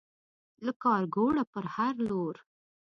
له کارکوړه پر هر لور